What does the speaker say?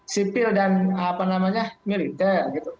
sipil dan militer